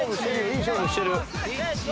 いい勝負してる。